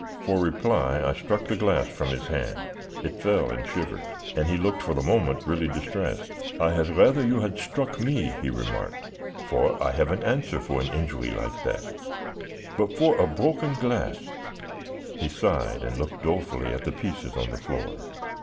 For reply I struck the glass from his hand; it fell and shivered, and he looked for the moment really distressed. "I had rather you had struck me," he remarked, "for I have an answer for an injury like that; but for a broken glass " He sighed and looked dolefully at the pieces on the floor.